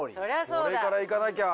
これからいかなきゃ。